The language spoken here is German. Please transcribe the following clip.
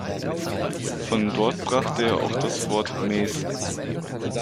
Von dort brachte er auch das Wort „Mays“.